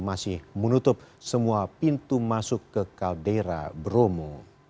masih menutup semua pintu masuk ke kaldera bromo